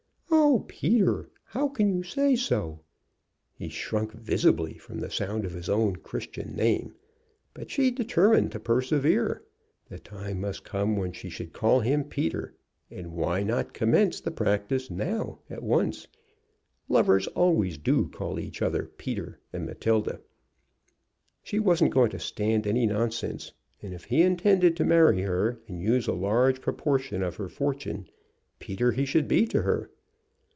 "Oh, Peter, how can you say so!" He shrunk visibly from the sound of his own Christian name. But she determined to persevere. The time must come when she should call him Peter, and why not commence the practice now, at once? Lovers always do call each other Peter and Matilda. She wasn't going to stand any nonsense, and if he intended to marry her and use a large proportion of her fortune, Peter he should be to her.